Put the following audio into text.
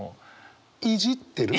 いじってる？